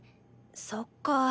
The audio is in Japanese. そっかぁ。